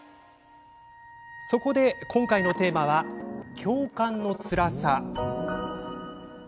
そこで今回のテーマは共感のつらさ。